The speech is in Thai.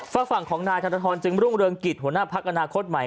ฝากฝั่งของนายธนทรจึงรุ่งเรืองกิจหัวหน้าพักอนาคตใหม่